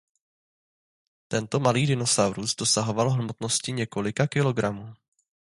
Tento malý dinosaurus dosahoval hmotnosti několika kilogramů.